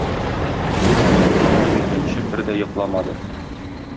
Бу малай таң беленгәнче бер дә йокламады.